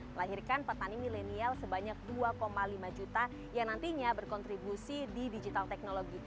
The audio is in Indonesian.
melahirkan petani milenial sebanyak dua lima juta yang nantinya berkontribusi di digital technology